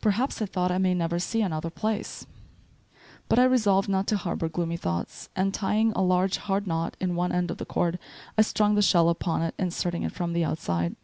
"Perhaps," I thought, "I may never see any other place." But I resolved not to harbor gloomy thoughts; and tying a large hard knot in one end of the cord, I strung the shell upon it, inserting it from the outside.